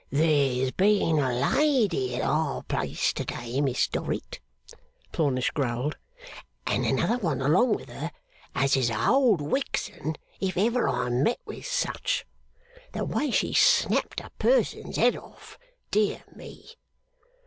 'There's been a lady at our place to day, Miss Dorrit,' Plornish growled, 'and another one along with her as is a old wixen if ever I met with such. The way she snapped a person's head off, dear me!